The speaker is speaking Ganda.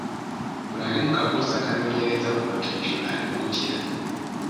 Buli ali mu kakoosi akanoonyereza ku batujju ali mu kutya.